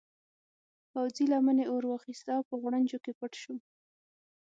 پوځي لمنې اور واخیست او په غوړنجو کې پټ شو.